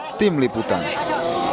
setelah dipotong daging sapi akan disamping